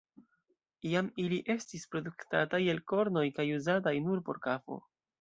Iam ili estis produktataj el kornoj kaj uzataj nur por kafo.